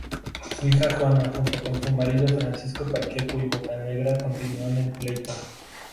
Su hija Juana junto con su marido Francisco Pacheco y Bocanegra continúan el pleito.